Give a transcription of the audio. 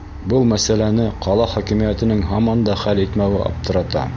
Был мәсьәләне ҡала хакимиәтенең һаман да хәл итмәүе аптырата.